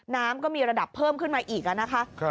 น้ำก็มีระดับเพิ่มขึ้นมาอีกนะคะ